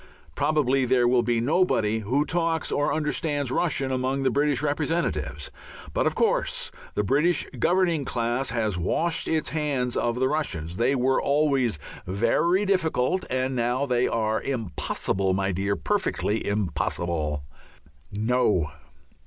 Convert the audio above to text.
Probably there will be nobody who talks or understands Russian among the British representatives. But, of course, the British governing class has washed its hands of the Russians. They were always very difficult, and now they are "impossible, my dear, perfectly impossible." No!